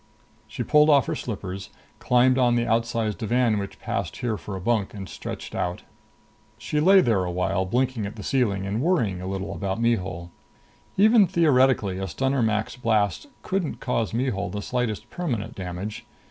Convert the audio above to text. She pulled off her slippers, climbed on the outsized divan which passed here for a bunk, and stretched out. She lay there a while, blinking at the ceiling and worrying a little about Mihul. Even theoretically a stunner max blast couldn't cause Mihul the slightest permanent damage.